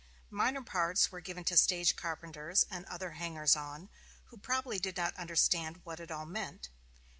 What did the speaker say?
Minor parts were given to stage carpenters and other hangers on, who probably did not understand what it all meant.